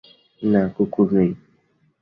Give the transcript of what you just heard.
না, কুকুর নেই।